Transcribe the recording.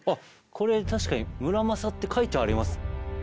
これ確かに「村正」って書いてあります。